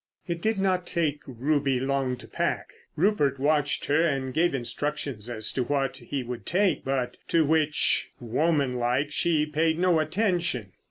It did not take Ruby long to pack. Rupert watched her and gave instructions as to what he would take, but to which, woman like, she paid no attention.